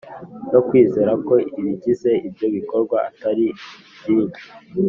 no kwizera ko ibigize ibyo bikorwa Atari byinshi